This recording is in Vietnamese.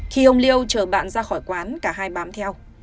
khi ông liêu chờ bạn ra khỏi quán cả hai bám theo